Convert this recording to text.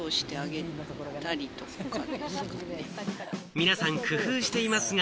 皆さん工夫していますが、